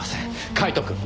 カイトくん。